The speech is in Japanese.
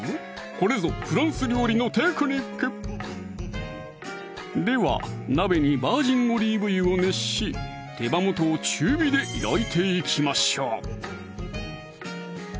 これぞフランス料理のテクニックでは鍋にバージンオリーブ油を熱し手羽元を中火で焼いていきましょう